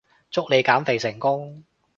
祝你減肥成功